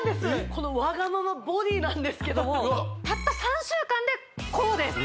このワガママボディなんですけどもたった３週間でこうです